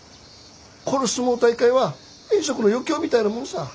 この角力大会は遠足の余興みたいなものさ。